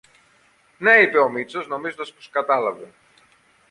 Ναι, είπε ο Μήτσος νομίζοντας πως κατάλαβε